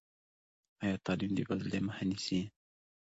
ایا تعلیم د بېوزلۍ مخه نیسي؟